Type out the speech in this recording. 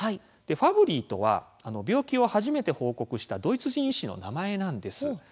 ファブリーとは病気を初めて報告したドイツ人医師の名前です。